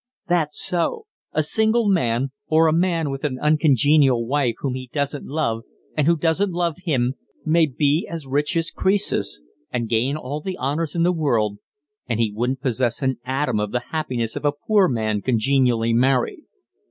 "That's so. A single man, or a man with an uncongenial wife whom he doesn't love and who doesn't love him, may be as rich as Croesus, and gain all the honours in the world, and he won't possess an atom of the happiness of a poor man congenially married.